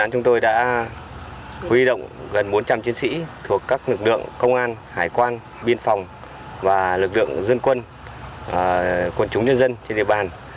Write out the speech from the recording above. chúng tôi đã huy động gần bốn trăm linh chiến sĩ thuộc các lực lượng công an hải quan biên phòng và lực lượng dân quân quận chúng nhân dân trên địa bàn